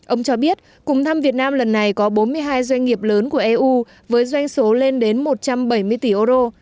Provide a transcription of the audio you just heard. ông cho biết cùng thăm việt nam lần này có bốn mươi hai doanh nghiệp lớn của eu với doanh số lên đến một trăm bảy mươi tỷ euro